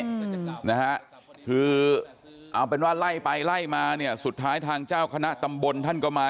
นะฮะคือเอาเป็นว่าไล่ไปไล่มาเนี่ยสุดท้ายทางเจ้าคณะตำบลท่านก็มา